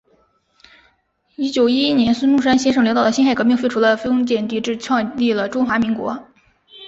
一九一一年孙中山先生领导的辛亥革命，废除了封建帝制，创立了中华民国。